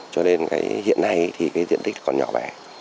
cho nên hiện nay diện tích còn nhỏ bẻ